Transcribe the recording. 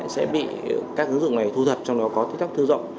sẽ bị các ứng dụng này thu thập trong đó có thích thắc thư rộng